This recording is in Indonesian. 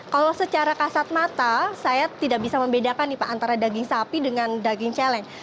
kalau secara kasat mata saya tidak bisa membedakan nih pak antara daging sapi dengan daging celeng